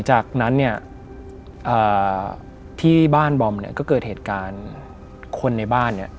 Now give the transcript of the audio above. ใช่ครับ